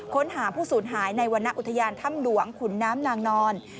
ค้นหาผู้สูญหายในวรรณอุทยานถ้ำหลวงขุนน้ำนางนอน